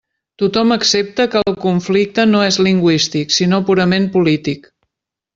Tothom accepta que el conflicte no és lingüístic sinó purament polític.